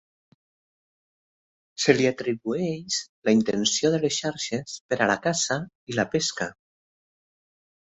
Se li atribueix la invenció de les xarxes per a la caça i la pesca.